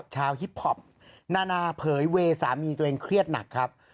ฮิปพอปนานาเผยเวย์สามีตัวเองเครียดหนักครับ